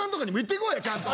ちゃんと。